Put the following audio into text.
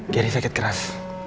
gary sakit keras